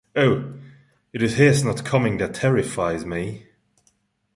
Oh, it is his not coming that terrifies me.